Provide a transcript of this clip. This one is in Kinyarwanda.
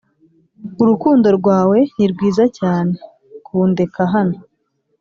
urukundo rwawe ni rwiza cyane kundeka hano